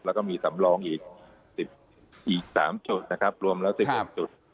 แล้วก็มีสำรองอีก๓จุดนะครับรวมแล้ว๑๑จุด